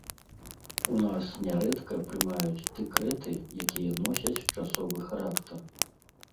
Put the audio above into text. У нас нярэдка прымаюць дэкрэты, якія носяць часовы характар.